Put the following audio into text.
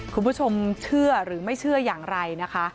คุณผู้ชมเชื่อหรือไม่เชื่ออย่างไรนะคะ